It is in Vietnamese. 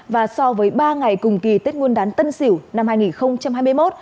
và so với ba ngày cùng kỳ tết nguồn đán tân xỉu năm hai nghìn hai mươi một